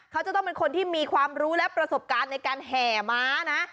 เขาจะต้องเป็นคนที่มีความรู้และประสบการณ์ในการแห่ม้านะ